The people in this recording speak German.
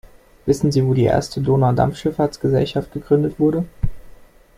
Wissen sie wo die erste Donaudampfschiffahrtsgesellschaft gegründet wurde?